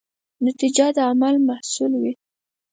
نتیجه د عمل محصول وي.